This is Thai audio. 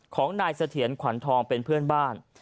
ของนายเสถียรขวัญทองเป็นเพื่อนบ้าน